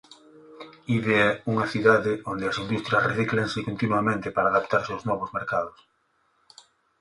Ibi é unha cidade onde as industrias recíclanse continuamente para adaptarse aos novos mercados.